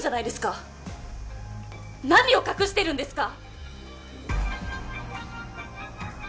何を隠してるんですか！？